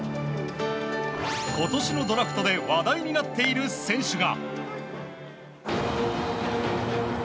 今年のドラフトで話題になっている選手が。